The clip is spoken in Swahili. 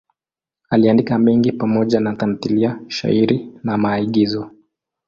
Aliandika mengi pamoja na tamthiliya, shairi na maigizo.